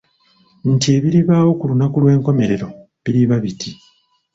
Nti ebiribaawo ku lunaku lw'enkomerero biriba biti